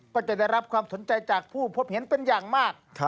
ก็จะได้รับความสนใจจากผู้พบเห็นเป็นอย่างมาก